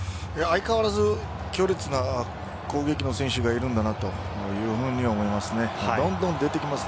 相変わらず強烈な攻撃の選手がいるんだなというふうに思います。